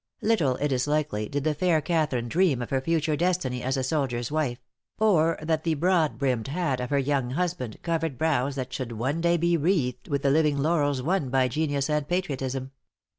Little, it is likely, did the fair Catharine dream of her future destiny as a soldier's wife; or that the broad brimmed hat of her young husband covered brows that should one day be wreathed with the living laurels won by genius and patriotism.